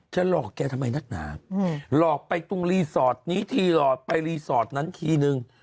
หลอกแกทำไมนักหนาหลอกไปตรงรีสอร์ทนี้ทีหลอดไปรีสอร์ทนั้นทีนึง